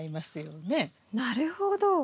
なるほど。